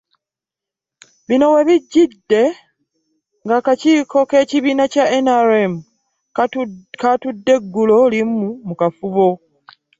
Bino webijjidde ng'akakiiko k'ekibiina ki NRM kaatudde eggulo limu mu kafubo